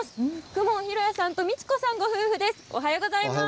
公文敬也さんと路子さんご夫婦です。